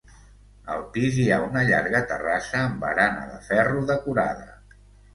Al pis hi ha una llarga terrassa amb barana de ferro decorada.